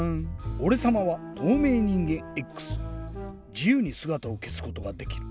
じゆうにすがたをけすことができる。